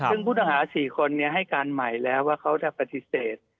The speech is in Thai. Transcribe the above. ซึ่งผู้ต้องหา๔คนให้การใหม่แล้วว่าเขาจะปฏิเสธ